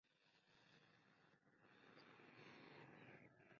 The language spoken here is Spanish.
Su nombre deriva del arroyo homónimo.